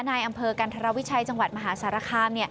ในอำเภอกันธรวิชัยจังหวัดมหาสารคาม